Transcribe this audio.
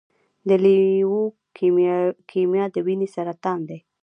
د لیوکیمیا د وینې سرطان دی.